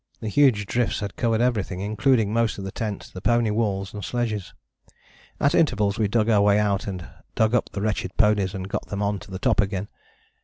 The huge drifts had covered everything, including most of the tent, the pony walls and sledges. At intervals we dug our way out and dug up the wretched ponies, and got them on to the top again.